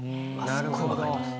すっごい分かります。